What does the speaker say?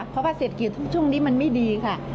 เพราะว่าเศรษฐกิจช่วงนี้มันไม่ดีค่ะ